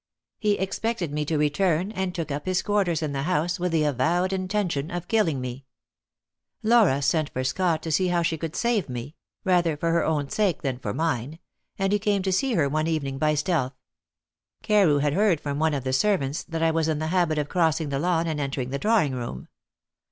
He expected me to return, and took up his quarters in the house with the avowed intention of killing me. Laura sent for Scott to see how she could save me rather for her own sake than for mine and he came to see her one evening by stealth. Carew had heard from one of the servants that I was in the habit of crossing the lawn and entering the drawing room.